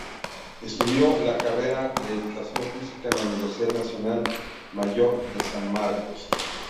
Estudió la carrera de Educación Física en la Universidad Nacional Mayor de San Marcos.